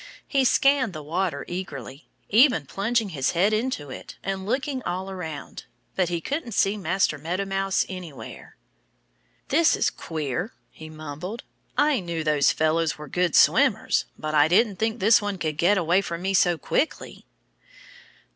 He scanned the water eagerly, even plunging his head into it and looking all around. But he couldn't see Master Meadow Mouse anywhere. "This is queer," he mumbled. "I knew those fellows were good swimmers. But I didn't think this one could get away from me so quickly."